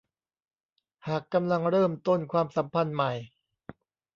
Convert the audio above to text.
หากกำลังเริ่มต้นความสัมพันธ์ใหม่